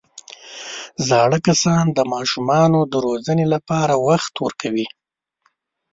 زاړه کسان د ماشومانو د روزنې لپاره وخت ورکوي